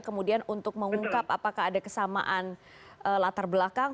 kemudian untuk mengungkap apakah ada kesamaan latar belakang